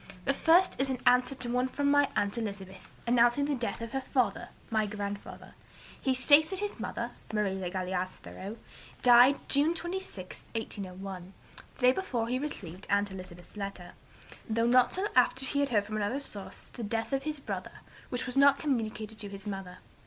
The first is in answer to one from my aunt Elizabeth, announcing the death of her father (my grandfather). He states that his mother (Marie (le Galais) Thoreau) died June 26, 1801, the day before he received aunt Elizabeth's letter, though not till after he had heard from another source of the death of his brother, which was not communicated to his mother.